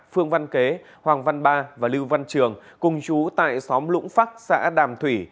phương văn kế hoàng văn ba và lưu văn trường cùng chú tại xóm lũng phắc xã đàm thủy